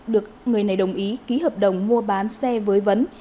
được người này đồng ý ký hợp đồng mua bán xe với vấn